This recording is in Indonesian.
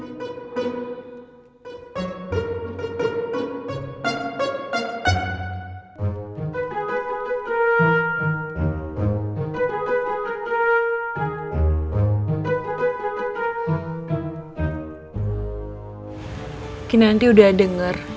teki nanti udah denger